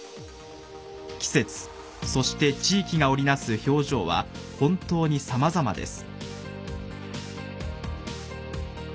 季節、そして地域が織りなす表情は本当にさまざまです。